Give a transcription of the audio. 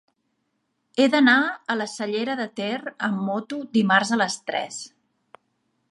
He d'anar a la Cellera de Ter amb moto dimarts a les tres.